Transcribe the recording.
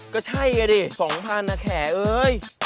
ก็ใช่กันดิ๒๐๐๐บาทแขก